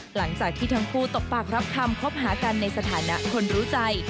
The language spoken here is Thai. หลังจากที่ทั้งคู่ตบปากรับคำคบหากันในสถานะคนรู้ใจ